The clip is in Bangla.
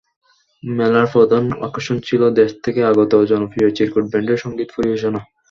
মেলার প্রধান আকর্ষণ ছিল দেশ থেকে আগত জনপ্রিয় চিরকুট ব্যান্ডের সংগীত পরিবেশনা।